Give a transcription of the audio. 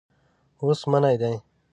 اوس منی دی.